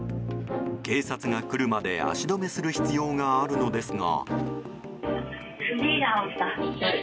警察が来るまで、足止めする必要があるのですが。